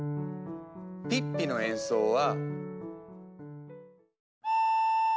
ピッピの演奏は。